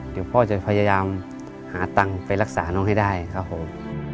เดี๋ยวพ่อจะพยายามหาตังค์ไปรักษาน้องให้ได้ครับผม